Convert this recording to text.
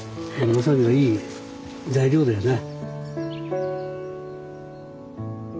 わさびはいい材料だよな。